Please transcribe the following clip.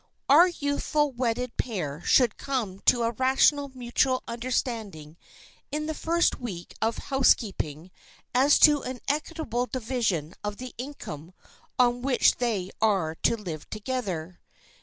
Our youthful wedded pair should come to a rational mutual understanding in the first week of housekeeping as to an equitable division of the income on which they are to live together.